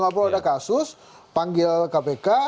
gak perlu ada kasus panggil kpk